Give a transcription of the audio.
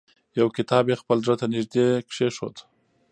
یو کتاب یې خپل زړه ته نږدې کېښود.